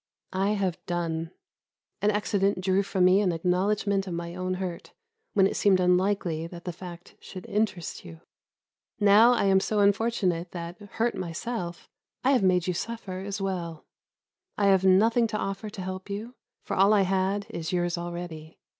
I have done; an accident drew from me an acknowledgment of my own hurt when it seemed unlikely that the fact should interest you. Now I am so unfortunate that, hurt myself, I have made you suffer as well. I have nothing to offer to help you, for all I had is yours already.